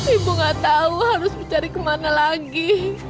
ibu gak tahu harus mencari kemana lagi